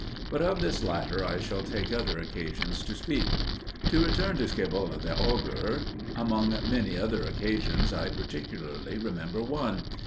But of this latter I shall take other occasions to speak. To return to Scaevola the augur. Among many other occasions I particularly remember one.